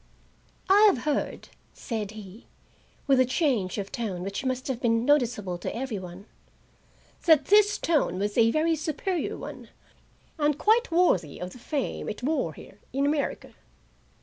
"I have heard," said he, with a change of tone which must have been noticeable to every one, "that this stone was a very superior one, and quite worthy of the fame it bore here in America.